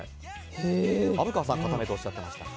虻川さんは固めとおっしゃっていましたが。